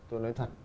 tôi nói thật